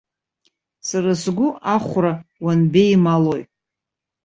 Сара сгәы ахәра, уанбеималои?